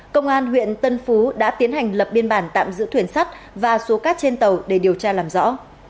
công an huyện tân phú đã tiến hành lập biên bản tạm giữ thuyền sắt và số cát trên tàu để điều tra làm rõ